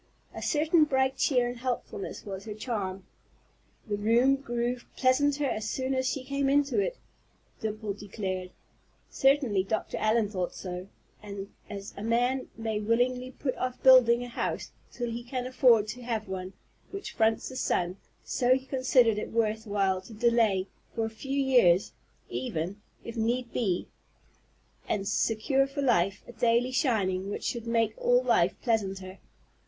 A certain bright cheer and helpfulness was her charm. "The room grew pleasanter as soon as she came into it," Dimple declared. Certainly Dr. Allen thought so; and as a man may willingly put off building a house till he can afford to have one which fronts the sun, so he considered it worth while to delay, for a few years, even, if need be, and secure for life a daily shining which should make all life pleasanter.